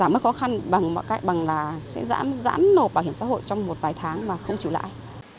bằng là sẽ giãn nộp bảo hiểm xã hội trong một vài tháng mà không chịu lại